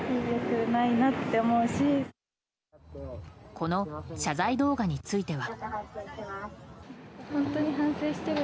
この謝罪動画については。